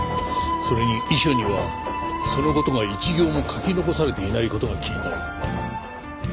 それに遺書にはその事が一行も書き残されていない事が気になる。